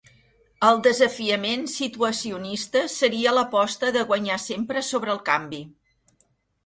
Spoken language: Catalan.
El desafiament situacionista seria l'aposta de guanyar sempre sobre el canvi.